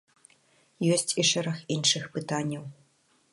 Ёсць і шэраг іншых пытанняў.